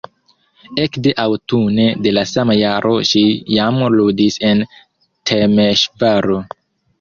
Ekde aŭtune de la sama jaro ŝi jam ludis en Temeŝvaro.